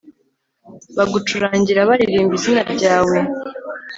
bagucurangira baririmba izina ryawe